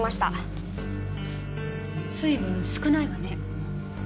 水分少ないわね。